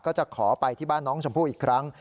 ก็จะขอไปที่บ้านน้องชมพู่อีกครั้ง